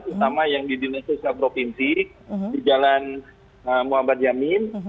terutama yang di dinas sosial provinsi di jalan muhammad jamin